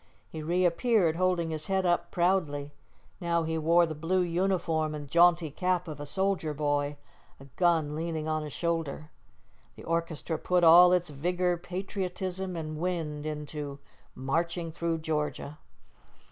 He reappeared, holding his head up proudly. Now he wore the blue uniform and jaunty cap of a soldier boy; a gun leaned on his shoulder. The orchestra put all its vigor, patriotism, and wind into "Marching through Georgia."